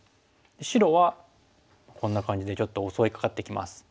白はこんな感じでちょっと襲いかかってきます。